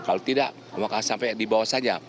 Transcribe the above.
kalau tidak maka sampai di bawah saja